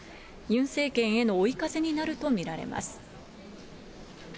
ユン政権への追い風になると見られます。